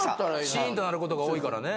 シーンとなることが多いからね。